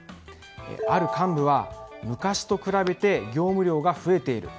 ある幹部は昔と比べて業務量が増えている。